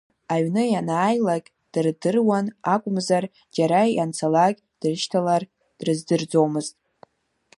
Аҩны ианааилак дырдыруан акәымзар, џьара ианцалак дрышьҭалар, дрыздырӡомызт.